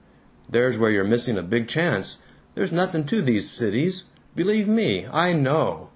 "There's where you're missing a big chance. There's nothing to these cities. Believe me, I KNOW!